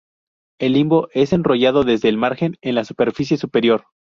El limbo es enrollado desde el margen en la superficie superior.